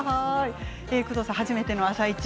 工藤さん、初めての「あさイチ」